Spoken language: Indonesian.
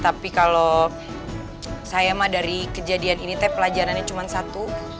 tapi kalau saya mah dari kejadian ini teh pelajarannya cuma satu